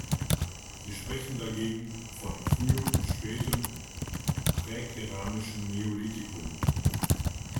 Sie sprechen dagegen von frühem und späten präkeramischen Neolithikum.